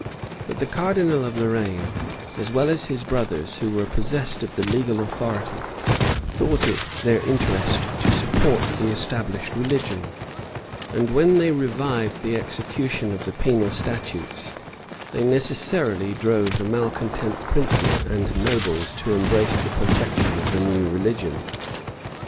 But the cardinal of Lorraine, as well as his brothers, who were possessed of the legal authority, thought it their interest to support the established religion; and when they revived the execution of the penal statutes, they necessarily drove the malecontent princes and nobles to embrace the protection of the new religion.